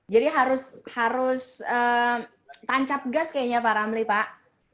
jadi harus tancap gas kayaknya pak ramli pak